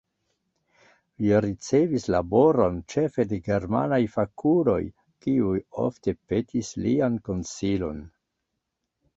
Li ricevis laboron ĉefe de germanaj fakuloj, kiuj ofte petis lian konsilon.